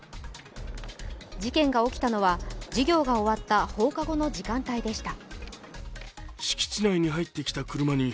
事件が起きたのは、授業が終わった放課後の時間帯でした。